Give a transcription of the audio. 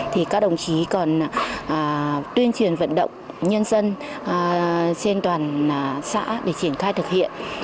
thì các đồng chí còn tuyên truyền vận động nhân dân trên toàn xã để triển khai thực hiện